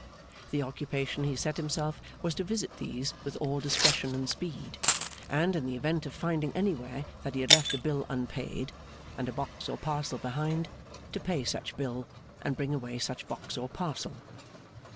The occupation he set himself was to visit these with all discretion and speed, and, in the event of finding anywhere that he had left a bill unpaid, and a box or parcel behind, to pay such bill, and bring away such box or parcel.